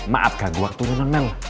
maaf ganggu waktu non mel